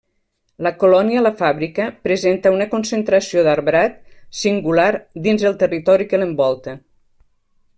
La Colònia la Fàbrica presenta una concentració d'arbrat singular dins el territori que l'envolta.